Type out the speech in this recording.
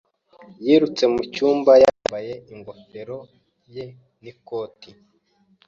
Yirutse mu cyumba yambaye ingofero ye n'ikoti.